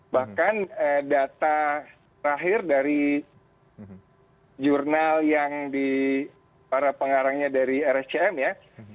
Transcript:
bahkan data terakhir dari jurnal yang di para pengarangnya dari rscm ya